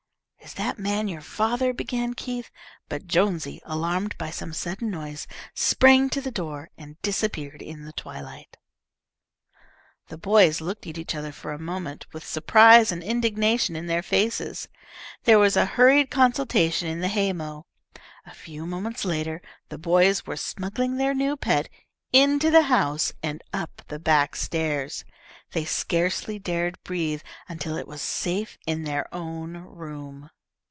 "Is that man your father?" began Keith, but Jonesy, alarmed by some sudden noise, sprang to the door, and disappeared in the twilight. The boys looked at each other a moment, with surprise and indignation in their faces. There was a hurried consultation in the hay mow. A few moments later the boys were smuggling their new pet into the house, and up the back stairs. They scarcely dared breathe until it was safe in their own room.